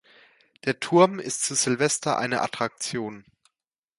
Der Turm ist zu Silvester eine Attraktion.